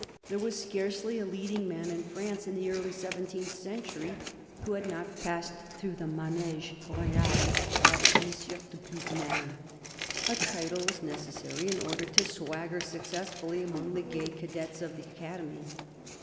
There was scarcely a leading man in France in the early seventeenth century who had not passed through the " manege royal " of M. de Pluvinel. A title was necessary, in order to swagger successfully among the gay cadets of the Academy.